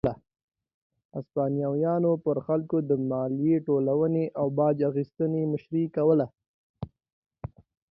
هسپانویانو پر خلکو د مالیې ټولونې او باج اخیستنې مشري کوله.